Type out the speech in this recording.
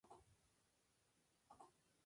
La fábrica del conjunto es de mampostería.